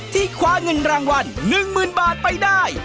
คว้าเงินรางวัล๑๐๐๐บาทไปได้